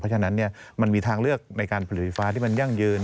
ฉะนั้นมันมีทางเลือกในการผลิตไฟฟ้าที่มันยั่งยืน